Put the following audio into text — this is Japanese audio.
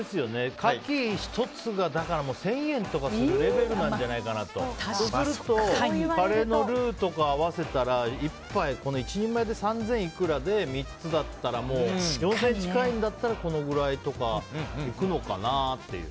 カキ１つが１０００円とかするレベルなんじゃないかなと。とするとカレーのルーとか合わせたらこの１人前で三千いくらで３つだったらこのくらいとかいくのかなって。